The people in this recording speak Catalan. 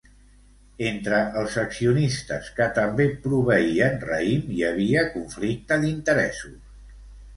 Entre els accionistes que també proveïen raïm hi havia conflicte d'interessos.